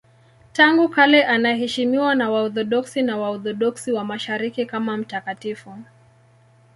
Tangu kale anaheshimiwa na Waorthodoksi na Waorthodoksi wa Mashariki kama mtakatifu.